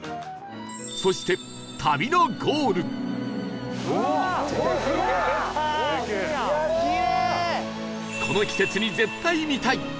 そしてこの季節に絶対見たい！